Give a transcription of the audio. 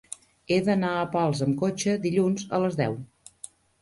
He d'anar a Pals amb cotxe dilluns a les deu.